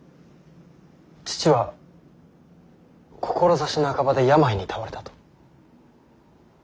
父は志半ばで病に倒れたと。